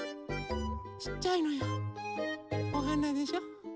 ちっちゃいのよ。おはなでしょ。